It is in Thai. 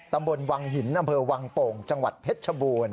ตำบลวังหินอำเภอวังโป่งจังหวัดเพชรชบูรณ์